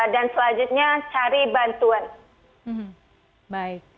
dan selanjutnya cari bantuan